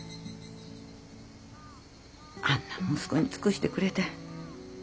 あんな息子に尽くしてくれてありがとうね。